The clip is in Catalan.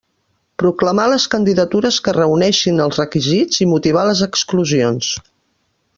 Proclamar les candidatures que reuneixin els requisits i motivar les exclusions.